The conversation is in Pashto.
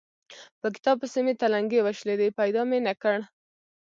په کتاب پسې مې تلنګې وشلېدې؛ پيدا مې نه کړ.